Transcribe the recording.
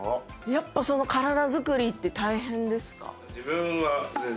やっぱ体づくりって大変ですか？